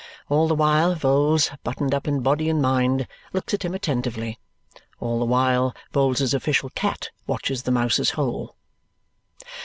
All the while, Vholes, buttoned up in body and mind, looks at him attentively. All the while, Vholes's official cat watches the mouse's hole.